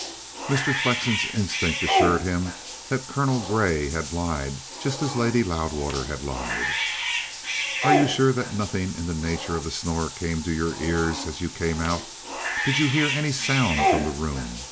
Mr. Flexen's instinct assured him that Colonel Grey had lied just as Lady Loudwater had lied. "Are you sure that nothing in the nature of a snore came to your ears as you came out? Did you hear any sound from the room?